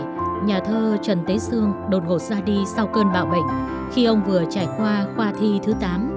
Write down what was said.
năm một nghìn chín trăm linh bảy nhà thơ trần tế xương đột ngột ra đi sau cơn bạo bệnh khi ông vừa trải qua khoa thi thứ tám